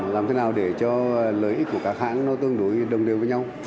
làm thế nào để cho lợi ích của các hãng nó tương đối đồng đều với nhau